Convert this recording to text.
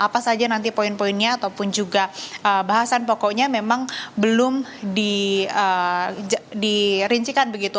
apa saja nanti poin poinnya ataupun juga bahasan pokoknya memang belum dirincikan begitu